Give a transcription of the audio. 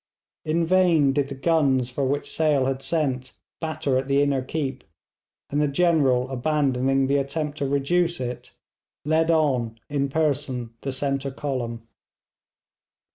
In vain did the guns for which Sale had sent batter at the inner keep, and the General abandoning the attempt to reduce it, led on in person the centre column.